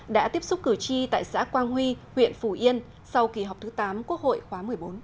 đã tiếp xúc cử tri tại xã quang huy huyện phủ yên sau kỳ họp thứ tám quốc hội khóa một mươi bốn